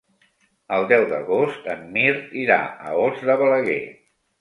El deu d'agost en Mirt irà a Os de Balaguer.